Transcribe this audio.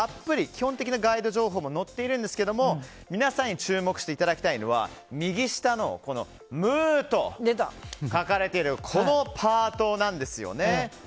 基本的なガイド情報も載っているんですが皆さんに注目していただきたいのは右下のこの「ムー」と書かれているこのパートなんですよね。